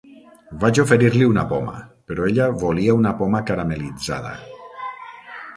Vaig oferir-li una poma, però ella volia una poma caramel·litzada.